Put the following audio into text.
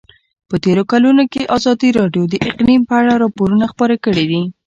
په تېرو کلونو کې ازادي راډیو د اقلیم په اړه راپورونه خپاره کړي دي.